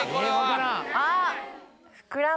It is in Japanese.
あっ！